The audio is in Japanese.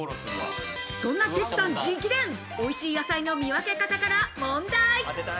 そんなテツさん直伝、おいしい野菜の見分け方から問題。